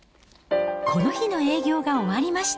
この日の営業が終わりました。